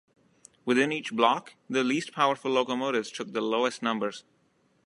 Within each block, the least powerful locomotives took the lowest numbers.